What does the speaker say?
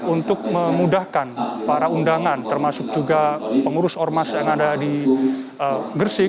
untuk memudahkan para undangan termasuk juga pengurus ormas yang ada di gresik